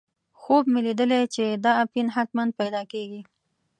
خوب مې لیدلی چې دا اپین حتماً پیدا کېږي.